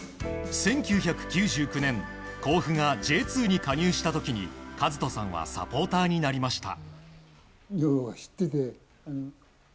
１９９９年、甲府がＪ２に加入した時に和人さんはサポーターになりました。